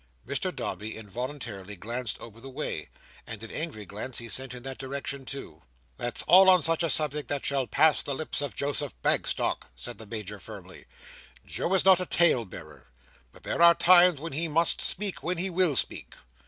Mr Dombey involuntarily glanced over the way; and an angry glance he sent in that direction, too. "That's all on such a subject that shall pass the lips of Joseph Bagstock," said the Major firmly. "Joe is not a tale bearer, but there are times when he must speak, when he will speak!